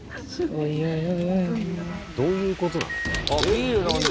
どういうことなの？